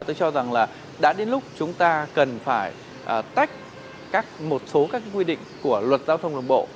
tôi cho rằng là đã đến lúc chúng ta cần phải tách một số các quy định của luật giao thông đường bộ